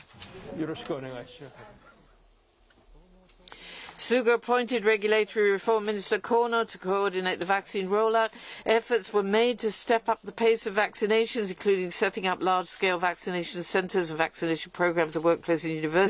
よろしくお願いします。